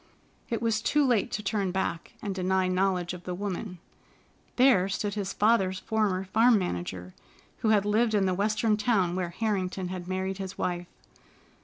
It was too late to turn back and deny knowledge of the woman. There stood his father's former farm manager, who had lived in the Western town where Harrington had married his wife.